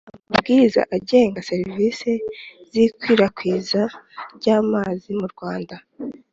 Amabwiriza agenga serivisi z ikwirakwizwa ry amazi mu rwanda